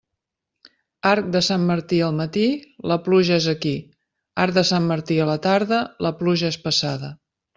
Arc de Sant Martí al matí, la pluja és aquí; arc de Sant Martí a la tarda, la pluja és passada.